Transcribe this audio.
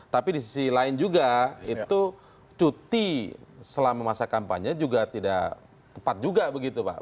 tapi di sisi lain juga itu cuti selama masa kampanye juga tidak tepat juga begitu pak